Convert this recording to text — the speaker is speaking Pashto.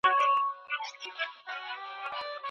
پښتو ژبه زموږ د پښتنو د ژوند د هرې پېښې شاهده ده